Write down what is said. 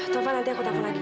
taufan nanti aku telpon lagi